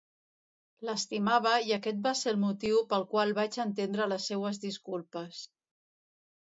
L'estimava i aquest va ser el motiu pel qual vaig entendre les seues disculpes.